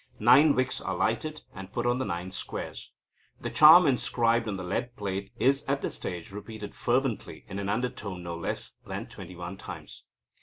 Nine wicks are lighted, and put on the nine squares. The charm inscribed on the lead plate is at this stage repeated fervently in an undertone no less than twenty one times.